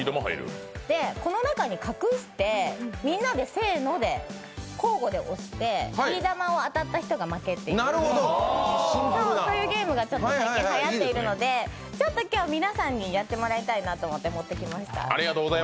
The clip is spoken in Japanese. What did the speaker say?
この中に隠して、みんなでせーので交互で押してビー玉を当たった人が負けっていうそういうゲームが最近はやっているので、今日、皆さんにやってもらいたいなと思って持ってきました。